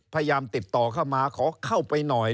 พยายามติดต่อเข้ามาขอเข้าไปหน่อย